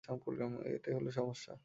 এটাই হলো সমস্যা।